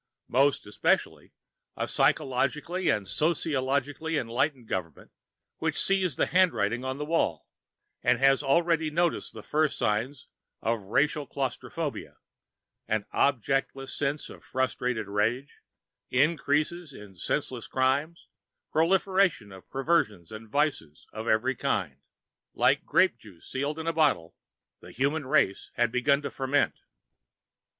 Most especially a psychologically and sociologically enlightened government which sees the handwriting on the wall, and has already noticed the first signs of racial claustrophobia an objectless sense of frustrated rage, increases in senseless crimes, proliferation of perversions and vices of every kind. Like grape juice sealed in a bottle, the human race had begun to ferment.